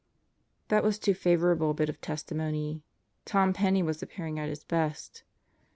That was too favorable a bit of testimony. Tom Penney was appearing at his best.